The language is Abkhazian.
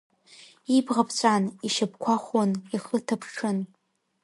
Ибӷа ԥҵәан, ишьапқәа хәын, ихы ҭаԥҽын.